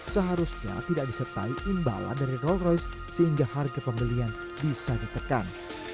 seharusnya tidak disertai imbalan dari rolls royce sehingga harga pembelian bisa ditekan